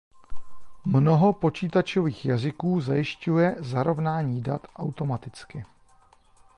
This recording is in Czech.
Mnoho počítačových jazyků zajišťuje zarovnání dat automaticky.